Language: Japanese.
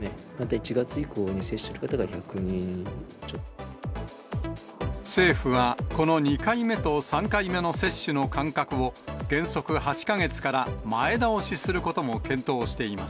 １月以降に接種する方が１００人政府は、この２回目と３回目の接種の間隔を、原則８か月から前倒しすることも検討しています。